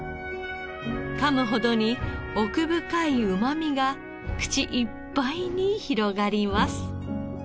かむほどに奥深いうまみが口いっぱいに広がります。